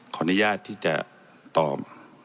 ขออนุญาตที่จะตอบ